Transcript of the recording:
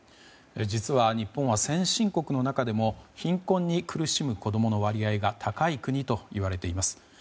実は日本は先進国の中でも貧困に苦しむ子供の割合が高い国と言われています。